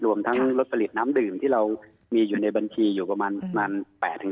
รวมทั้งลดผลิตน้ำดื่มที่เรามีอยู่ในบัญชีอยู่ประมาณ๘๕